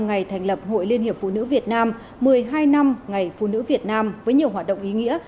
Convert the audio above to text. ngày thành lập hội liên hiệp phụ nữ việt nam một mươi hai năm ngày phụ nữ việt nam với nhiều hoạt động ý nghĩa